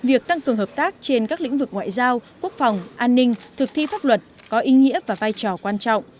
ước ngoại giao quốc phòng an ninh thực thi pháp luật có ý nghĩa và vai trò quan trọng